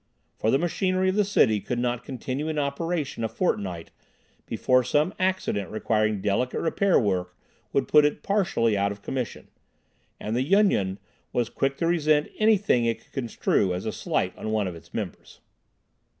For the machinery of the city could not continue in operation a fortnight, before some accident requiring delicate repair work would put it partially out of commission. And the Yun Yun was quick to resent anything it could construe as a slight on one of its members.